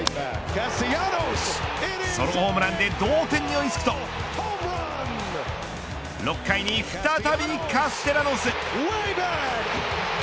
ソロホームランで同点に追いつくと６回に再びカステラノス。